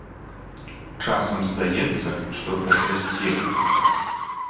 Часам здаецца, што гэта здзек.